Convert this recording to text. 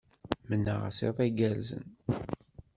Mennaɣ-as iḍ igerrzen.